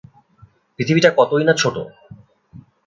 পৃথিবীটা কতোই না ছোট!